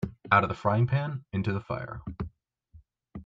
Out of the frying-pan into the fire.